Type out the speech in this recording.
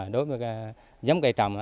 đối với giấm cây trầm